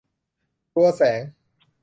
กลัวแสง